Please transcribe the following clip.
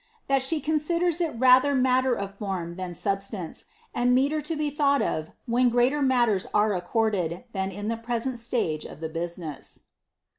>• tht conxiders it rather matter of form than substance, and meeter thought of when greater matters are accorded than in the present of the business."'